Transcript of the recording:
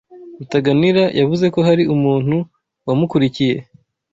Rutaganira yavuze ko hari umuntu wamukurikiye.